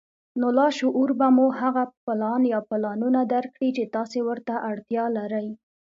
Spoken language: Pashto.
نو لاشعور به مو هغه پلان يا پلانونه درکړي چې تاسې ورته اړتيا لرئ.